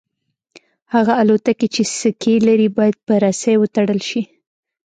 هغه الوتکې چې سکي لري باید په رسۍ وتړل شي